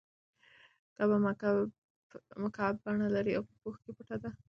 کعبه مکعب بڼه لري او په پوښ کې پټه ده.